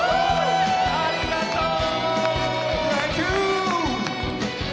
ありがとう！